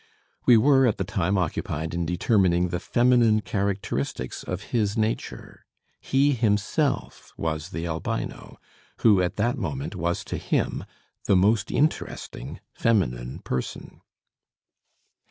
We were at the time occupied in determining the feminine characteristics of his nature. He himself was the Albino, who at that moment was to him the most interesting feminine person.